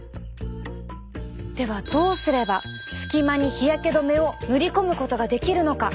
ではどうすれば隙間に日焼け止めを塗り込むことができるのか？